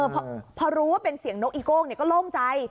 พอรู้ว่าเป็นเสียงนกอีโก้งก็โล่งใจ